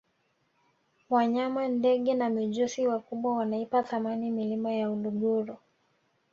wanyama ndege na mijusi wakubwa wanaipa thamani milima ya uluguru